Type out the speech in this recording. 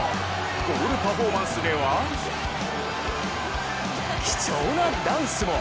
ゴールパフォーマンスでは貴重なダンスも。